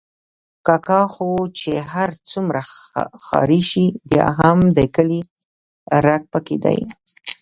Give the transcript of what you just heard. کاکا خو چې هر څومره ښاري شي، بیا هم د کلي رګ پکې دی.